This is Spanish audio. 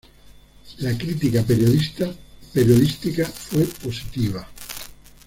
La crítica periodística fue positiva.